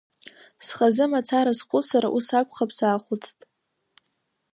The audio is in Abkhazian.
Схазы мацара схәыцыр, ус акәхап, саахәыцт.